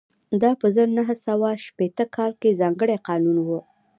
دا په زر نه سوه شپېته کال کې ځانګړی قانون و